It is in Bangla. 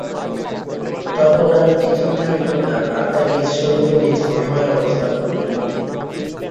তখন আর কিছুই থাকিবে না, আত্মা নিজ-স্বরূপে নিজ-মহিমায় অবস্থান করিবেন।